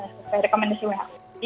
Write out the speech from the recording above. seperti rekomendasi who